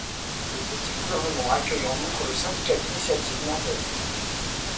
Le Petit Gouvernement accueille en outre le syndicat d'initiative nantais.